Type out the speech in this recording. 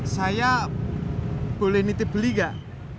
saya boleh nitip beli gak